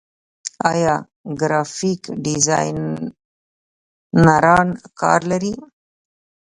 آیا ګرافیک ډیزاینران کار لري؟